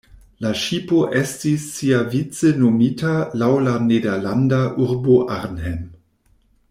La ŝipo estis siavice nomita laŭ la nederlanda urbo Arnhem.